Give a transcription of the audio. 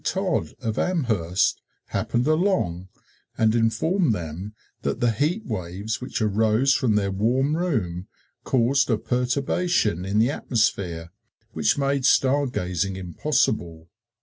Todd, of Amherst, happened along and informed them that the heat waves which arose from their warm room caused a perturbation in the atmosphere which made star gazing impossible.